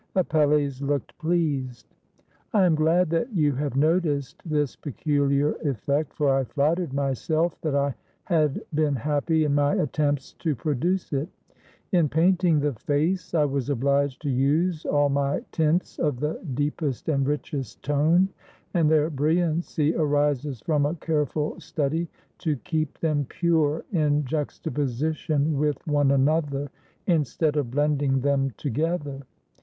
Apelles looked pleased. "I am glad that you have noticed this peculiar effect, for I flattered myself that I had been happy in my attempts to produce it. In paint ing the face, I was obliged to use all my tints of the deep est and richest tone, and their brilliancy arises from a careful study to keep them pure in juxtaposition with one another, instead of blending them together.